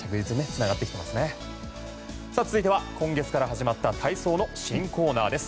続いては、今月から始まった体操の新コーナーです。